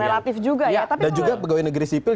relatif juga ya dan juga pegawai negeri sipil